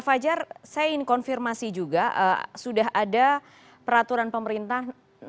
sudah ada peraturan peraturan yang diadakan dan sudah ada peraturan peraturan yang diadakan